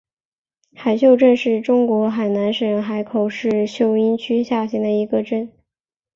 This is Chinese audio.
海秀镇是中国海南省海口市秀英区下辖的一个镇。